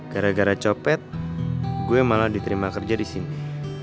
gara gara copet gue malah diterima kerja di sini